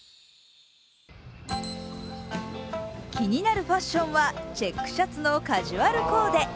気になるファッションはチェックシャツのカジュアルコーデ。